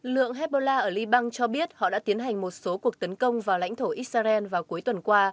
lượng hezbollah ở liban cho biết họ đã tiến hành một số cuộc tấn công vào lãnh thổ israel vào cuối tuần qua